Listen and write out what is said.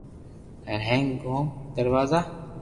ھین ھینگ گوم دروازا